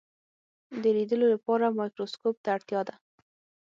د لیدلو لپاره مایکروسکوپ ته اړتیا ده.